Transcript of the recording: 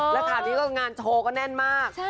แล้วข่าวนี้ก็งานโชว์ก็แน่นมาก